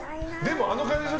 あの感じでしょ。